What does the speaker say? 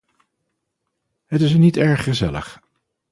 Het is er niet erg gezellig.